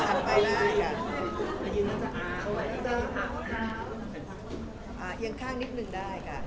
อันใจกับพิกิฟต์นี้ก็จ้างกันได้จ้ะ